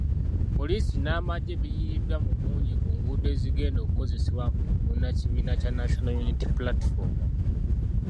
Poliisi n'amagye biyiiriddwa mu bungi ku nguudo ezigenda okukozesebwa munnakibiina kya National Unity Platform.